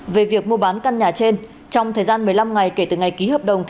về việc mua bán căn nhà trên trong thời gian một mươi năm ngày kể từ ngày ký hợp đồng